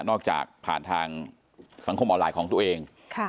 จากผ่านทางสังคมออนไลน์ของตัวเอง